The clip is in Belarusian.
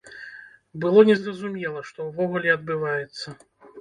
Было незразумела, што ўвогуле адбываецца.